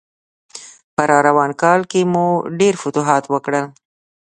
په راروان کال کې مو ډېر فتوحات وکړل.